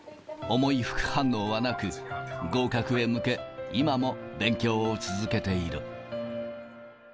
重い副反応はなく、合格へ向け、今も勉強を続けている。